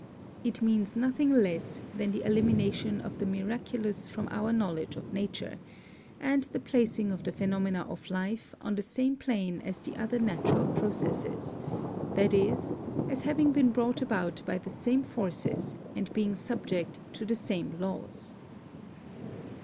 It means nothing less than the elimination of the miraculous from our knowledge of nature, and the placing of the phenomena of life on the same plane as the other natural 292 BIOLOGY processes; that is, as having been brought about by the same forces and being subject to the same laws."